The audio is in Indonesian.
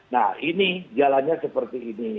nah ini jalannya seperti ini